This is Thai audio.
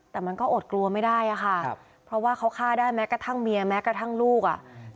แต่มันก็อดกลัวไม่ได้อะค่ะครับเพราะว่าเขาฆ่าได้แม้กระทั่งเมียแม้กระทั่งลูกอ่ะ